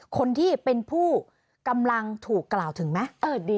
คนที่เป็นผู้กำลังถูกกล่าวถึงไหม